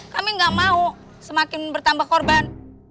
kami nggak mau semakin bertambah korban